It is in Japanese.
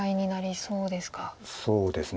そうですね